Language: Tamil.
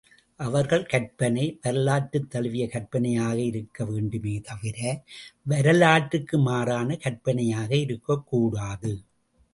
அவர்கள் கற்பனை, வரலாற்றைத் தழுவிய கற்பனையாக இருக்க வேண்டுமே தவிர, வரலாற்றுக்கு மாறான கற்பனையாக இருக்கக் கூடாது.